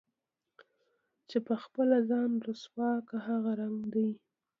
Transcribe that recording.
چې په خپله ځان رسوا كا هغه رنګ دے